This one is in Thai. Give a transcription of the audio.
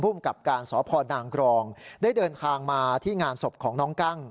กับการสพนางกรองได้เดินทางมาที่งานศพของน้องกั้ง